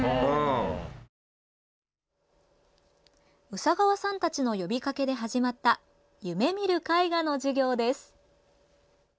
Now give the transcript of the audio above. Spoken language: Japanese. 宇佐川さんたちの呼びかけで始まった「夢見る絵画」の授業です。